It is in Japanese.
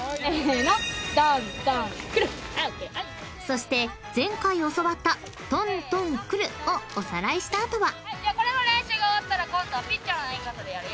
［そして前回教わったとんとんクルをおさらいした後は］